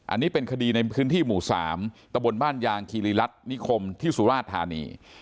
อันนี้เป็นคดีในพื้นที่หมู่๓ตะบนบ้านยางคีรีรัฐนิคมที่สุราชธานี